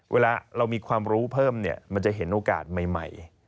เวลาเรามีความรู้เพิ่มเนี่ยมันจะเห็นโอกาสใหม่